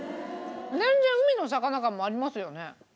全然海の魚感もありますよね。